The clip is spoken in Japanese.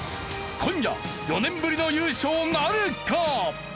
今夜４年ぶりの優勝なるか？